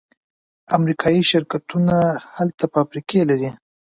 امریکایی شرکتونه هلته فابریکې لري.